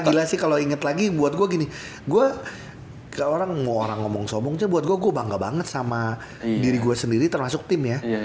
gila sih kalau inget lagi buat gue gini gue orang ngomong sombong tuh buat gue gue bangga banget sama diri gue sendiri termasuk tim ya